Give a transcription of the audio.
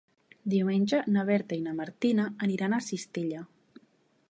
Diumenge na Berta i na Martina aniran a Cistella.